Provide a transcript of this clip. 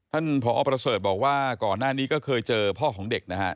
ท่านผอประเสริฐบอกว่าก่อนหน้านี้ก็เคยเจอพ่อของเด็กนะฮะ